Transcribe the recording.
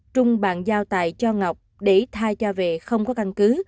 trung bàn giao tài cho ngọc để thay cho về không có căn cứ